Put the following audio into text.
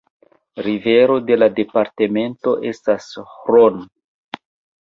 Rivero de la departemento estas Hron.